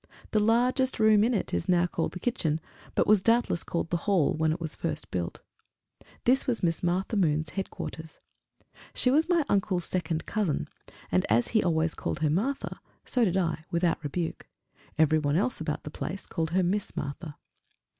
The largest room in it is now called the kitchen, but was doubtless called the hall when first it was built. This was Miss Martha Moon's headquarters. She was my uncle's second cousin, and as he always called her Martha, so did I, without rebuke: every one else about the place called her Miss Martha.